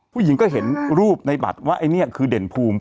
ผู้หญิงก็เห็นรูปในบัตรว่าไอ้นี่คือเด่นภูมิ